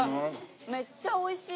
めっちゃおいしい。